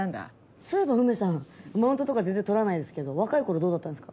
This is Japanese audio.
そういえばウメさんマウントとか全然取らないですけど若い頃どうだったんですか？